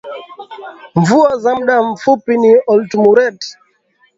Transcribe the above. Mvua za muda mfupi ni Oltumuret